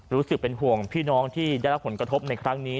รู้สึกเป็นห่วงพี่น้องที่ได้รับผลกระทบในครั้งนี้